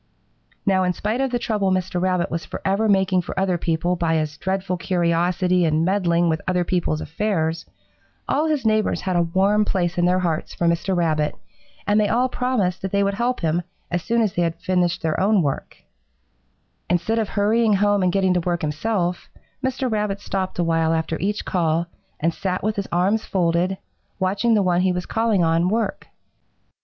Now, in spite of the trouble Mr. Rabbit was forever making for other people by his dreadful curiosity and meddling with other people's affairs, all his neighbors had a warm place in their hearts for Mr. Rabbit, and they all promised that they would help him as soon as they had their own work finished. "Instead of hurrying home and getting to work himself, Mr. Rabbit stopped a while after each call and sat with his arms folded, watching the one he was calling on work.